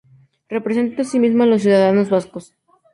Representa, asimismo, a los ciudadanos vascos.